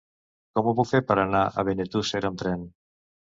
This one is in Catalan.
Com ho puc fer per anar a Benetússer amb tren?